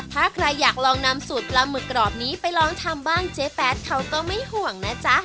ถ้าใครอยากลองนำสูตรปลาหมึกกรอบนี้ไปลองทำบ้างเจ๊แป๊ดเขาก็ไม่ห่วงนะจ๊ะ